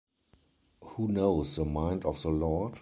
Who knows the mind of the Lord?